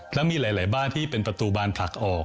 แล้วมีหลายบ้านที่เป็นประตูบานผลักออก